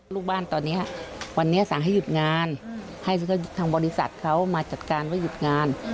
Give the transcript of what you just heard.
ลูกบ้านตอนนี้วันนี้สั่งให้หยุดงานให้ทางบริษัทเขามาจัดการว่าหยุดงาน